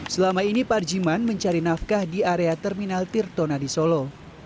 selama ini parjiman mencari nafkah di area terminal tirtona di solo